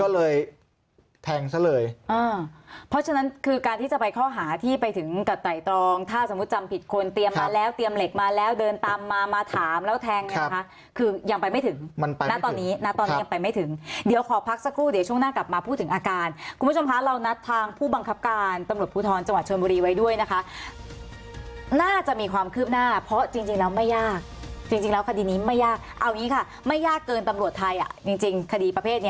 แล้วแทงเนี่ยนะคะคือยังไปไม่ถึงตอนนี้ยังไปไม่ถึงเดี๋ยวขอพักสักครู่เดี๋ยวช่วงหน้ากลับมาพูดถึงอาการคุณผู้ชมคะเรานัดทางผู้บังคับการตำรวจผู้ท้อนจังหวัดเชิญบุรีไว้ด้วยนะคะน่าจะมีความคืบหน้าเพราะจริงแล้วไม่ยากจริงแล้วคดีนี้ไม่ยากเอาอย่างงี้ค่ะไม่ยากเกินตำรวจไทยอ่ะจริงคดีประเ